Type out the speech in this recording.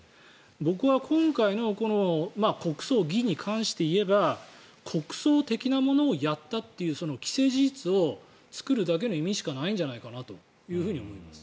僕は今回の国葬儀に関していえば国葬的なものをやったという既成事実を作るだけの意味しかないと思います。